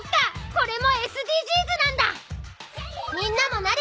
これもＳＤＧｓなんだ！